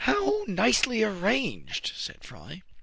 " How nicely arranged !" said Fry.